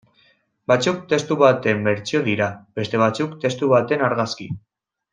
Batzuk testu baten bertsio dira, beste batzuk testu baten argazki.